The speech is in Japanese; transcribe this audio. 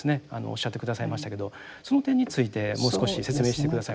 おっしゃって下さいましたけどその点についてもう少し説明して下さいますか。